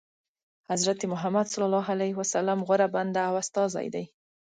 حضرت محمد صلی الله علیه وسلم غوره بنده او استازی دی.